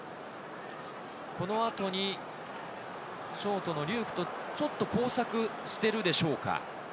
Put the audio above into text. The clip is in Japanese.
この後にショートの龍空とちょっと交錯しているでしょうか。